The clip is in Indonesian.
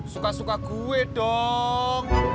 suka suka gue dong